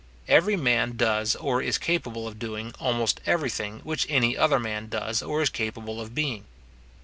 Every man does, or is capable of doing, almost every thing which any other man does, or is capable of being.